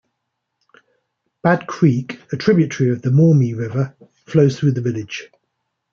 Bad Creek, a tributary of the Maumee River, flows through the village.